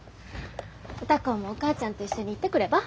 歌子もお母ちゃんと一緒に行ってくれば？